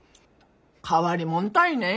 変わりもんたいね。